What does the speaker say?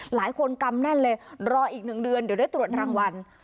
กำแน่นเลยรออีก๑เดือนเดี๋ยวได้ตรวจรางวัล